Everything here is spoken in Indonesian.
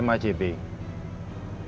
mungkin ricky mengambil uang disana